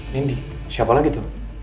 mindy siapa lagi tuh